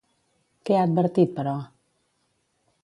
Què ha advertit, però?